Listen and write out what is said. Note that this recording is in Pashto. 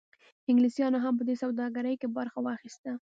انګلیسانو هم په دې سوداګرۍ کې برخه واخیسته.